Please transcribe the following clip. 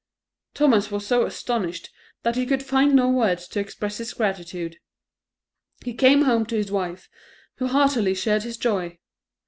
Thomas was so astonished that he could find no words to express his gratitude. He came home to his wife, who heartily shared his joy.